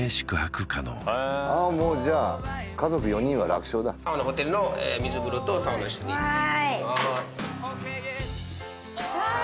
もうじゃあ家族４人は楽勝だサウナホテルの水風呂とサウナ室に行きますわいうわ